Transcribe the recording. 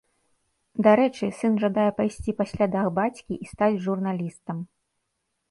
Дарэчы, сын жадае пайсці па слядах бацькі і стаць журналістам.